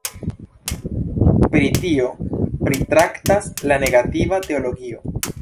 Pri tio pritraktas la negativa teologio.